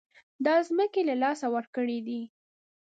دا ځمکې له لاسه ورکړې دي.